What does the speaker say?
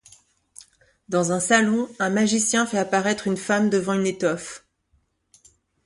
Dans un salon, un magicien fait apparaître une femme devant une étoffe.